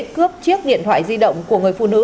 cướp chiếc điện thoại di động của người phụ nữ